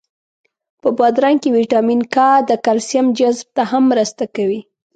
په بادرنګ کی ویټامین کا د کلسیم جذب ته هم مرسته کوي.